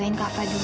mantan apa klike